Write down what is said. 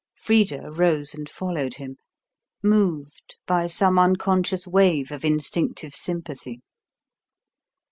Frida rose and followed him, moved by some unconscious wave of instinctive sympathy.